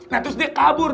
nah terus dia kabur